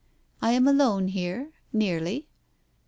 I am alone here — nearly."